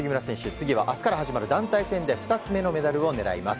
次は明日から始まる団体戦で２つ目のメダルを狙います。